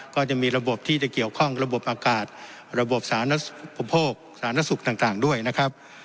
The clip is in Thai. ก็จะมีระบบที่จะเกี่ยวข้องระบบอากาศระบบสาธารณสุขต่างด้วยนะครับ